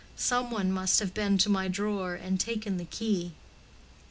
Some one must have been to my drawer and taken the key."